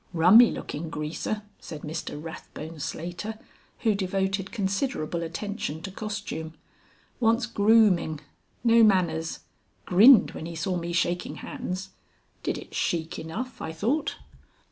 "Rummy looking greaser," said Mr Rathbone Slater, who devoted considerable attention to costume. "Wants grooming. No manners. Grinned when he saw me shaking hands. Did it chic enough, I thought."